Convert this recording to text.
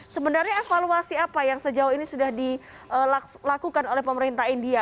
sebenarnya evaluasi apa yang sejauh ini sudah dilakukan oleh pemerintah india